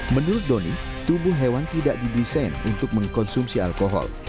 menurut doni tubuh hewan tidak didesain untuk mengkonsumsi alkohol